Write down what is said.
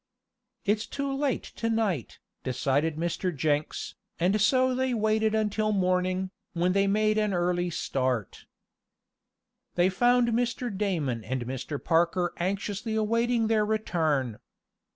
"It's too late to night," decided Mr. Jenks, and so they waited until morning, when they made an early start. They found Mr. Damon and Mr. Parker anxiously awaiting their return.